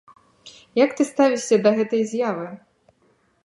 Як ты ставішся да гэтай з'явы?